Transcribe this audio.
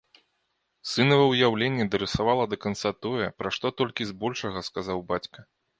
Сынава ўяўленне дарысавала да канца тое, пра што толькі збольшага сказаў бацька.